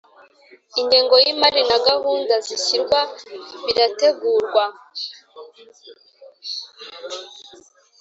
Ingengo y’ imari na gahunda zishyirwa birategurwa